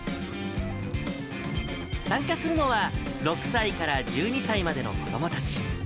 参加するのは、６歳から１２歳までの子どもたち。